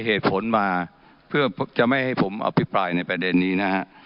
ได้เหตุผลมาเพื่อจะไม่ให้ผมเอาพิปรายในแปดนี้นะครับ